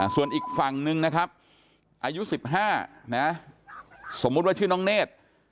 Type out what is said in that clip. ส่วนอีกฝั่งนึงนะครับอายุ๑๕นะสมมุติว่าชื่อน้องเนธ